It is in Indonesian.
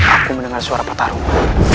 aku mendengar suara pertarungan